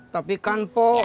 tapi kan pok